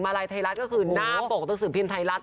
มาลัยไทยรัฐก็คือหน้าปกติศึกพิมพ์ไทยรัฐ